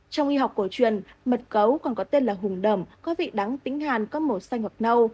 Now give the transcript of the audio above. trong y học cổ truyền mật cấu còn có tên là hùng đẩm có vị đắng tính hàn có màu xanh hoặc nâu